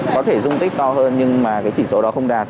có thể dung tích cao hơn nhưng mà cái chỉ số đó không đạt